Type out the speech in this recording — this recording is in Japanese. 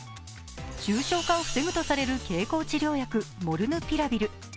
重症化を防ぐとされる経口治療薬モルヌピラビル。